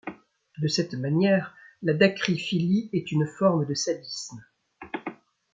De cette manière, la dacryphilie est une forme de sadisme.